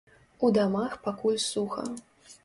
У дамах пакуль суха.